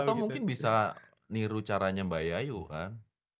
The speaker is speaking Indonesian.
atau mungkin bisa niru caranya mbak yayu kan